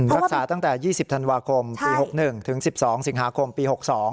ตั้งแต่๒๐ธันวาคมปี๖๑ถึง๑๒สิงหาคมปี๖๒